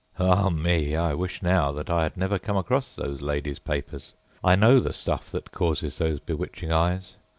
Ah me! I wish now I had never come across those ladiesâ papers. I know the stuff that causes those bewitching eyes.